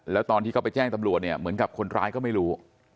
แล้วตอนที่เขาไปแจ้งตำรวจเนี่ยเหมือนกับคนร้ายก็ไม่รู้